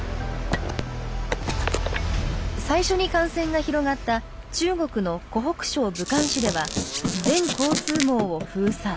最初に感染が広がった中国の湖北省武漢市では全交通網を封鎖。